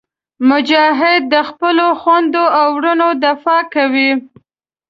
مجاهد د خپلو خویندو او وروڼو دفاع کوي.